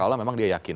kalau memang dia yakin